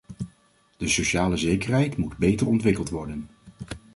De sociale zekerheid moet beter ontwikkeld worden.